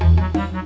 dan telah doang